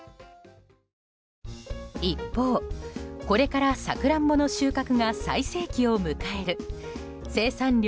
一方、これからサクランボの収穫が最盛期を迎える生産量